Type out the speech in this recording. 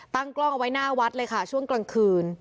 กล้องเอาไว้หน้าวัดเลยค่ะช่วงกลางคืน